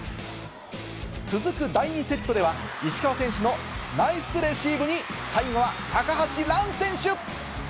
続く第２セットでは石川選手のナイスレシーブに、最後は高橋藍選手。